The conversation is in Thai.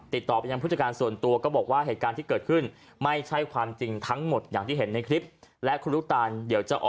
ทีมข่าวเราพยายามติดต่อไปหาคุณลูกตาลแล้ว